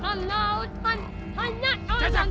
kalau tan tanak orang